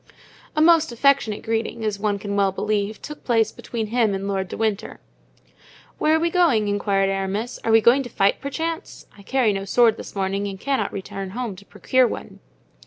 A most affectionate greeting, as one can well believe took place between him and Lord de Winter. "Where are we going?" inquired Aramis; "are we going to fight, perchance? I carry no sword this morning and cannot return home to procure one."